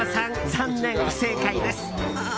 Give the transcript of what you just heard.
残念、不正解です。